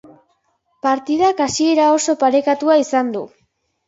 Partidak hasiera oso parekatua izan du.